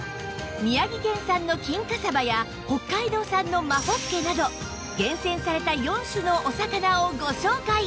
宮城県産の金華さばや北海道産の真ほっけなど厳選された４種のお魚をご紹介